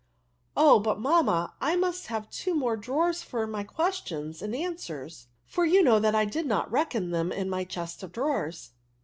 Oh but, mamma, I must have two more drawers for my questions and answers, for you know I did not reckon them in my chest of drawers."